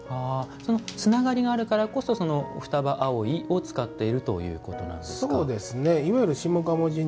つながりがあるからこそ二葉葵を使っているということなんですか。